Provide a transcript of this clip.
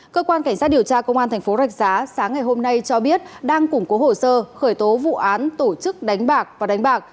cơ quan cảnh sát điều tra công an thành phố rạch giá sáng ngày hôm nay cho biết đang củng cố hồ sơ khởi tố vụ án tổ chức đánh bạc và đánh bạc